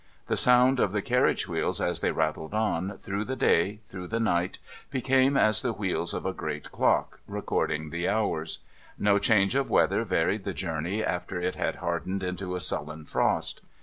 The sound of the carriage wheels, as they rattled on, through the day, through the night, became as the wheels of a great clock, recording the hours. No change of weather varied the journey, after it had hardened into a sullen frost.